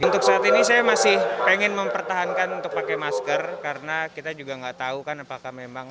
untuk saat ini saya masih pengen mempertahankan untuk pakai masker karena kita juga nggak tahu kan apakah memang